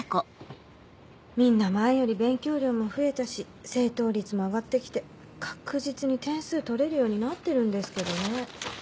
みんな前より勉強量も増えたし正答率も上がって来て確実に点数取れるようになってるんですけどね。